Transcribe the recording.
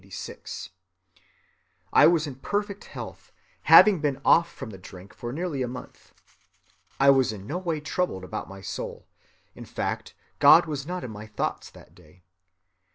I was in perfect health, having been off from the drink for nearly a month. I was in no way troubled about my soul. In fact, God was not in my thoughts that day.